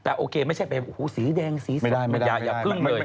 แต่โอเคไม่ใช่ไปสีแดงสีดาอย่าพึ่งเลย